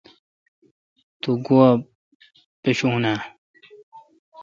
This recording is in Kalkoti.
تو گوا پاشون اؘ۔